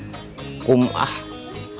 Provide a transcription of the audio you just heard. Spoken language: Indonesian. nanti pulangnya kita malah siapin mbak nita